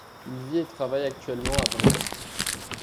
Il vit et travaille actuellement à Brême.